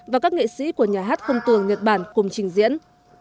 và các nghệ sĩ của nhà hát không tường nhật bản cùng trình diễn